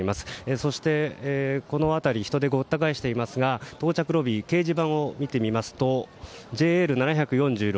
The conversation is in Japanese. そして、この辺り人でごった返していますが到着ロビー掲示板を見てみますとＪＡＬ７４６